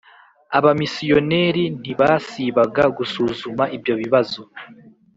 Abamisiyoneri ntibasibaga gusuzuma ibyo bibazo